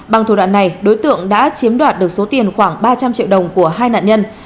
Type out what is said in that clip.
bằng thủ đoạn này đối tượng đã chiếm đoạt được số tiền khoảng ba trăm linh triệu đồng của hai nạn nhân